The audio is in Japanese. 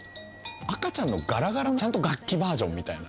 赤ちゃんのガラガラのちゃんと楽器バージョンみたいな。